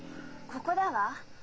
ここだわ。